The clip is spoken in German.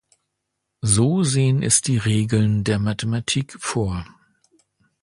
So sehen es die Regeln der Mathematik vor.